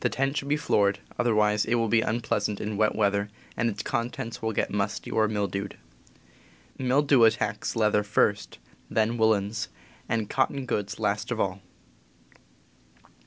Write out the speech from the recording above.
The tent should be floored, other wise it will be unpleasant in wet weather and its contents will get musty or mildewed. Mildew at tacks leather first, then woolens, and cotton goods last of all.